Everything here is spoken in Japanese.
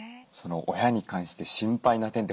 親に関して心配な点って